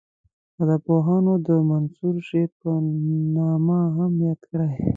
ادبپوهانو د منثور شعر په نامه هم یاد کړی.